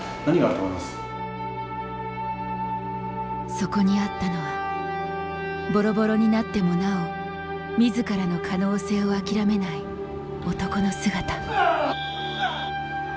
そこにあったのはボロボロになってもなおみずからの可能性を諦めない男の姿。